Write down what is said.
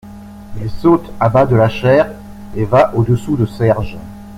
Il saute à bas de la chaire et va au-dessous de Serge.